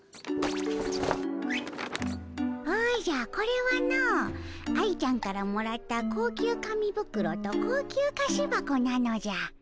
おじゃこれはの愛ちゃんからもらった高級紙袋と高級菓子箱なのじゃ。